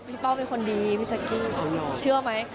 พี่ป้องเป็นคนดีพี่จากกี้เชื่อไหม